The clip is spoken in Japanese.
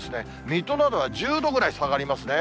水戸などは１０度ぐらい下がりますね。